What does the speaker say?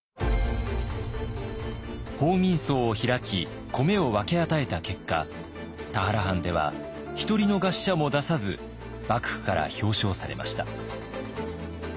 報民倉を開き米を分け与えた結果田原藩では１人の餓死者も出さず幕府から表彰されました。